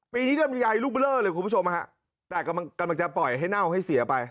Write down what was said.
ปีนี้ลำไยลูกเบลอเลยคุณผู้ชมฮะแต่กำลังกำลังจะปล่อยให้เน่าให้เสียไป